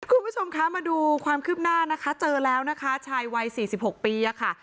คุณผู้ชมคะมาดูความคืบหน้านะคะเจอแล้วนะคะชายวัยสี่สิบหกปีอะค่ะ